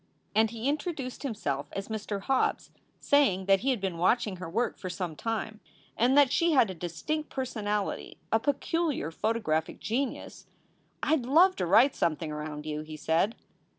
And he introduced himself as Mr. Hobbes, saying that he had been watching her work for some time and that she had a distinct personality, a peculiar photographic genius. "I d love to write something around you," he said.